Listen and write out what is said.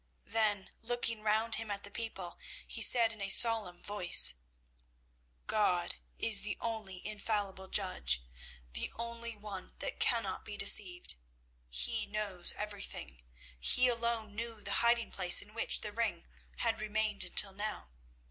Then, looking round him at the people, he said, in a solemn voice, 'God is the only infallible judge, the only one that cannot be deceived. He knows everything. He alone knew the hiding place in which the ring had remained until now.